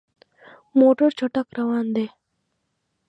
موټر چټک روان دی.